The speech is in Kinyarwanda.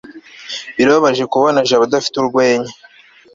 birababaje kubona jabo adafite urwenya